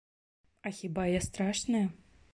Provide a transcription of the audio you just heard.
А хіба я страшная?